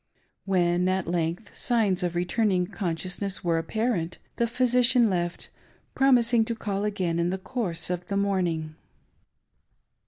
When, at length, signs of returning consciousness were apparent, the physician left, promising to call again in the course of the morning.